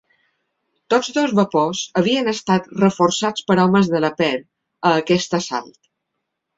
Tots dos vapors havien estat reforçats per homes de la per a aquest assalt.